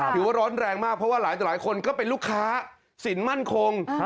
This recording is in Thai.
ถือว่าร้อนแรงมากเพราะว่าหลายต่อหลายคนก็เป็นลูกค้าสินมั่นคง